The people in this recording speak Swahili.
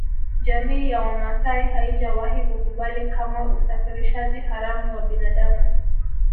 Jamii ya Wamasai haijawahi kukubali kamwe usafirishaji haramu wa binadamu